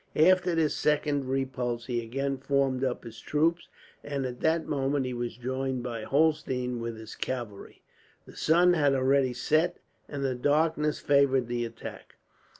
After this second repulse he again formed up his troops, and at that moment he was joined by Holstein with his cavalry. The sun had already set, and the darkness favoured the attack.